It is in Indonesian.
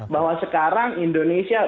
bahwa sekarang indonesia